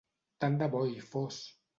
Tant de bo hi fos!